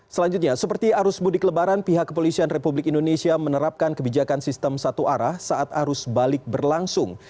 selanjutnya seperti arus mudik lebaran pihak kepolisian republik indonesia menerapkan kebijakan sistem satu arah saat arus balik berlangsung